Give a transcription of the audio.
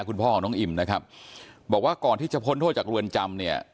คุณพ่อของน้องอิ่มนะครับบอกว่าก่อนที่จะพ้นโทษจากเรือนจำเนี่ย